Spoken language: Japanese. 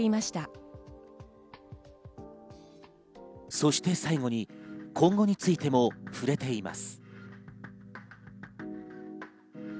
そして最後に今後についても触れています。